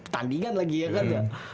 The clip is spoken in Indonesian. tandingan lagi ya kan